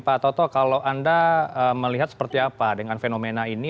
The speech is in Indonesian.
pak toto kalau anda melihat seperti apa dengan fenomena ini